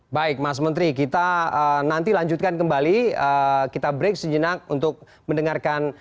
baik mas menteri kita nanti lanjutkan kembali kita break sejenak untuk mendengarkan